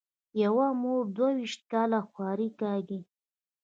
یوه مور دوه وېشت کاله خواري کاږي.